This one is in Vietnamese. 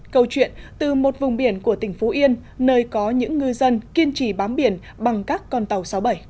câu chuyện từ một vùng biển của tỉnh phú yên nơi có những ngư dân kiên trì bám biển bằng các con tàu sáu mươi bảy